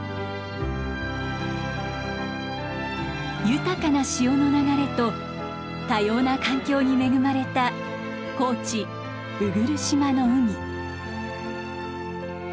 豊かな潮の流れと多様な環境に恵まれた高知・鵜来島の海。